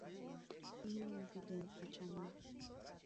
Имньым вӱден, ачана